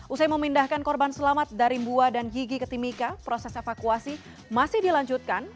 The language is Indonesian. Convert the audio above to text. usai memindahkan korban selamat dari bua dan gigi ke timika proses evakuasi masih dilanjutkan